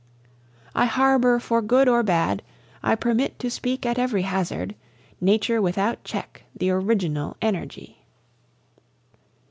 I harbor for good or bad, I permit to speak at every hazard, Nature without check with original energy.